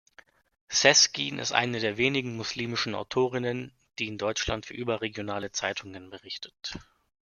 Sezgin ist eine der wenigen muslimischen Autorinnen, die in Deutschland für überregionale Zeitungen berichten.